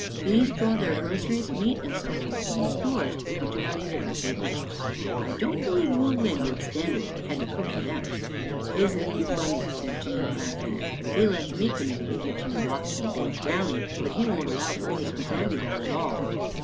These draw their groceries, meat, and so forth from the stores, but do not eat at our tables. I don't believe Wu Ling: would stand it if he had to cook for them." " Isn't he funny? " said Jean, laughing. " He lets me come in the kitchen and watch him bake brownie, but he won't allow Fergus or Sandy there at all.